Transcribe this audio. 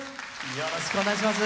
よろしくお願いします。